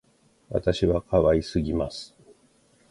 私は可愛すぎます